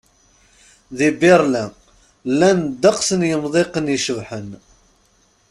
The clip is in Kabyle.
Di Berlin, llan ddeqs n yemḍiqen icebḥen.